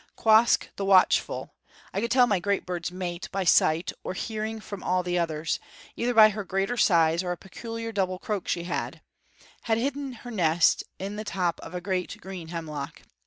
Quoskh the Watchful I could tell my great bird's mate by sight or hearing from all others, either by her greater size or a peculiar double croak she had had hidden her nest in the top of a great green hemlock.